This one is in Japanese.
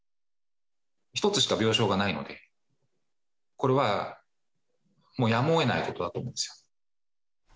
１つしか病床がないので、これはもうやむをえないことだと思うんです。